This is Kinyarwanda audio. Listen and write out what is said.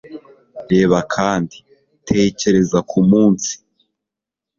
Reba kandi: tekereza kumunsi